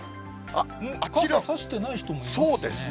傘差してない人もいますね。